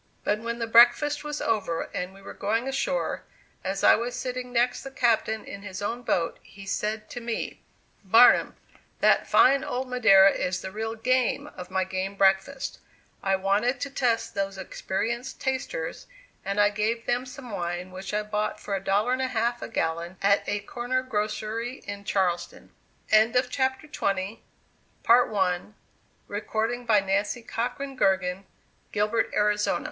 But when the breakfast was over and we were going ashore, as I was sitting next the captain in his own boat, he said to me: "Barnum, that fine old Madeira is the real 'game' of my game breakfast; I wanted to test those experienced tasters, and I gave them some wine which I bought for a dollar and a half a gallon at a corner grocery in Charleston." In the party which accompanied me to Havana, was Mr. Henry Bennett, who formerly kept Peale's Museum in New Yo